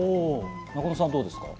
仲野さん、どうですか？